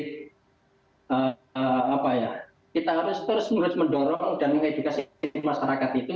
jadi kita harus terus mendorong dan mengedukasi masyarakat itu